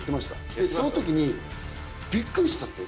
でそのときにびっくりしたって。